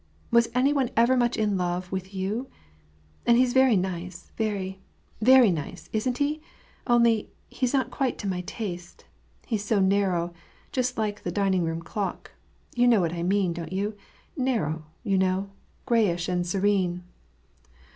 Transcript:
— Was any one ever as much in love with you ?— And he's very nice, very, very nice, isn't he ? Only, he's not quite to my taste — he's so narrow, just like the dining room clock. You know what I mean, don't you ? narrow, you know, — grayish and serene."